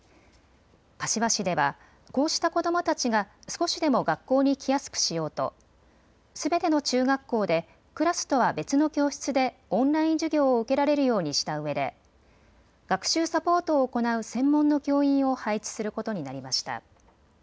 柏市では、こうした子どもたちが少しでも学校にきやすくしようと、すべての中学校でクラスとは別の教室でオンライン授業を受けられるようにしたうえで学習サポートを行う専門の教員を配置することになりました。